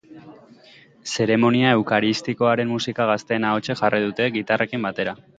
Zeremonia eukaristikoaren musika gazteen ahotsek jarri dute, gitarrekin batera.